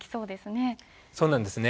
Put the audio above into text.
そうなんですね。